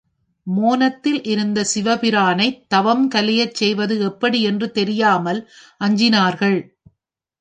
மோனத்தில் இருந்த சிவபிரானைத் தவம் கலையச் செய்வது எப்படி என்று தெரியாமல் அஞ்சினார்கள்.